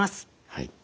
はい。